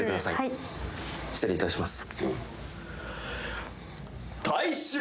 失礼いたします